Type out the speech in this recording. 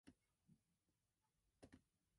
Verkhneberyozovo is the nearest rural locality.